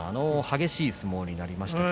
激しい相撲になりました。